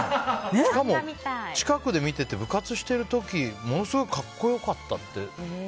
しかも近くで見ていて部活をしている時ものすごい格好良かったって。